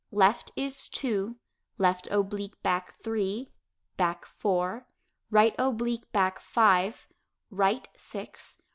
Left is "two." Left oblique back, "three." Back, "four." Right oblique back, "five." Right, "six."